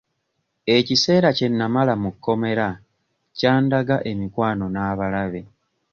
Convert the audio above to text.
Ekiseera kye namala mu kkomera kyandaga emikwano n'abalabe.